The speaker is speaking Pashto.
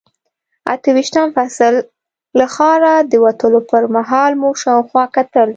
اته ویشتم فصل، له ښاره د وتلو پر مهال مو شاوخوا کتل.